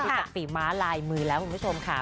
จากฝีม้าลายมือแล้วคุณผู้ชมค่ะ